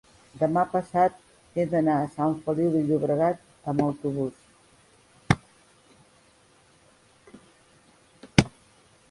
demà passat he d'anar a Sant Feliu de Llobregat amb autobús.